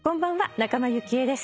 仲間由紀恵です。